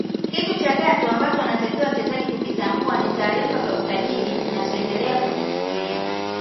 Kitu cha tatu ambacho wanatakiwa wachezaji kukitambua ni taarifa za usajili ninazoendelea kuzisikia